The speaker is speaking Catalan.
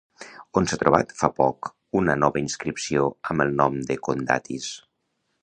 On s'ha trobat fa poc una nova inscripció amb el nom de Condatis?